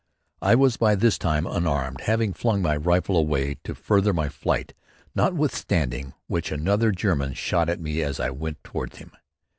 I was by this time unarmed, having flung my rifle away to further my flight, notwithstanding which another German shot at me as I went toward him.